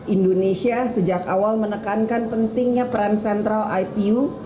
indonesia sejak awal menekankan pentingnya peran sentral ipu